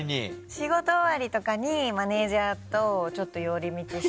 仕事終わりとかにマネジャーとちょっと寄り道して。